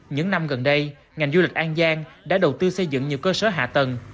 những năm gần đây ngành du lịch an giang đã đầu tư xây dựng nhiều cơ sở hạ tầng